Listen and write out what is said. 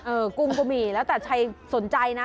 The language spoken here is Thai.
กุ้งก็มีแล้วแต่ใครสนใจนะ